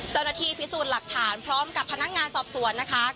เจ้าหน้าที่พิสูจน์หลักฐานพร้อมกับพนักงานสอบสวนนะคะ